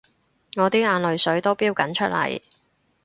我啲眼淚水都標緊出嚟